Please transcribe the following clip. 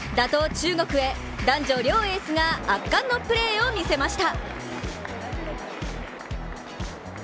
中国へ、男女両エースが圧巻のプレーを見せました。